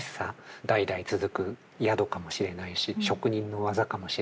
代々続く宿かもしれないし職人の技かもしれないし。